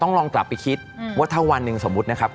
ลองกลับไปคิดว่าถ้าวันหนึ่งสมมุตินะครับ